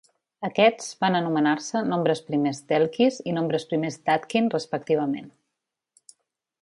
Aquests van anomenar-se nombres primers d'Elkies i nombres primers d'Atkin respectivament.